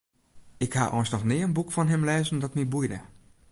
Ik ha eins noch nea in boek fan him lêzen dat my boeide.